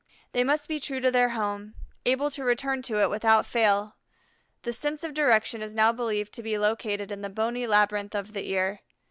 They must be true to their home, able to return to it without fail. The sense of direction is now believed to be located in the bony labyrinth of the ear.